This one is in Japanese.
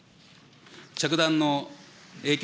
着弾の影響